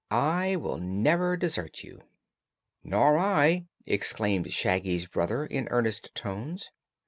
I will never desert you." "Nor I!" exclaimed Shaggy's brother, in earnest tones.